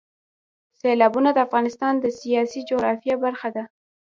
سیلابونه د افغانستان د سیاسي جغرافیه برخه ده.